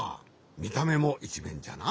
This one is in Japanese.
みためもいちめんじゃな。